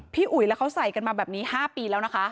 อุ๋ยแล้วเขาใส่กันมาแบบนี้๕ปีแล้วนะคะ